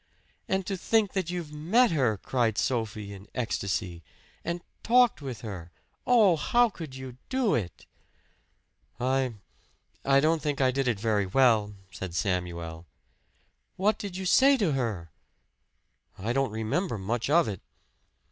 "And to think that you've met her!" cried Sophie in ecstasy. "And talked with her! Oh, how could you do it?" "I I don't think I did it very well," said Samuel. "What did you say to her?" "I don't remember much of it."